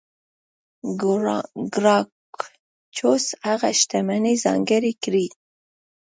ګراکچوس هغه شتمنۍ ځانګړې کړې.